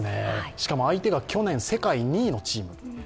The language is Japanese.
しかも相手が去年、世界２位のチーム。